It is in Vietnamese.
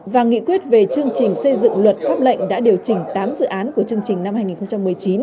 và nghị quyết về chương trình xây dựng luật pháp lệnh đã điều chỉnh tám dự án của chương trình năm hai nghìn một mươi chín